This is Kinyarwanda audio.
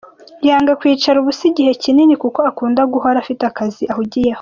Yanga kwicara ubusa igihe kinini kuko akunda guhora afite akazi ahugiyeho.